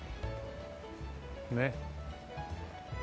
ねっ。